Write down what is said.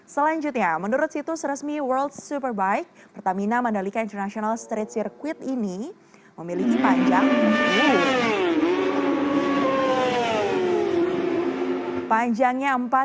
selanjutnya menurut situs resmi world superbike pertamina mandalika international street circuit ini memiliki panjang